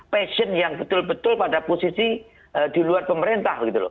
passion yang betul betul pada posisi di luar pemerintah